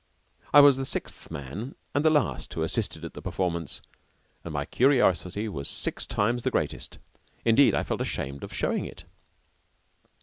I was the sixth man and the last who assisted at the performance, and my curiosity was six times the greatest. Indeed, I felt ashamed of showing it.